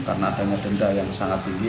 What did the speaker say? karena adanya denda yang sangat tinggi